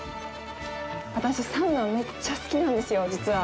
私、サウナ、めっちゃ好きなんですよ実は。